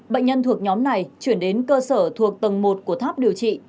bệnh nhân thuộc nhóm này chuyển đến cơ sở thuộc tầng một của tháp điều trị